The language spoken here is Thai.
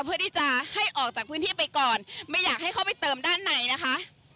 เพื่อที่จะให้ออกจากพื้นที่ไปก่อนไม่อยากให้เข้าไปเติมด้านในนะคะ